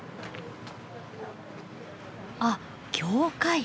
あっ教会！